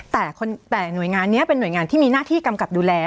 แต่หน่วยงานนี้เป็นหน่วยงานที่มีหน้าที่กำกับดูแล